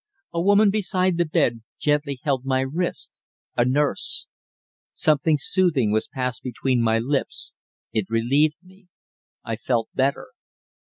A woman beside the bed gently held my wrist a nurse. Something soothing was passed between my lips. It relieved me. I felt better.